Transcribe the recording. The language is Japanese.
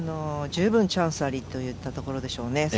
十分チャンスありといったところでしょうね。